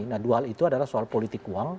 nah dua hal itu adalah soal politik uang